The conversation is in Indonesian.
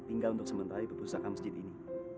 tinggal untuk sementara di perpustakaan masjid ini